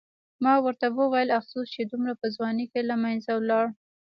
ما ورته وویل: افسوس چې دومره په ځوانۍ کې له منځه ولاړ.